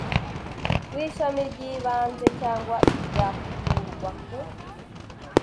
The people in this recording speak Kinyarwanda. w Ishami ry Ibanze cyangwa igakurwa ku